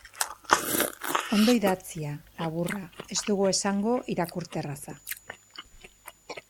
Ondo idatzia, laburra, ez dugu esango irakurterraza.